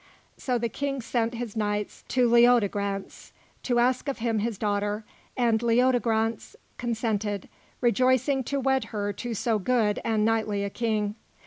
So the King sent his knights to Leodegrance, to ask of him his daughter; and Leodegrance consented, rejoicing to wed her to so good and knightly a King.